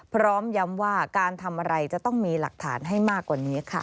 พร้อมย้ำว่าการทำอะไรจะต้องมีหลักฐานให้มากกว่านี้ค่ะ